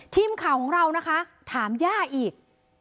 ทีมข่าวของเรานะคะถามย่าอีก